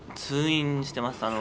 通院してます。